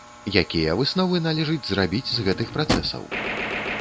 Якія высновы належыць зрабіць з гэтых працэсаў?